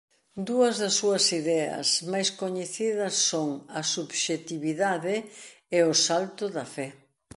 Dúas das súas ideas máis coñecidas son a subxectividade e o salto da fe.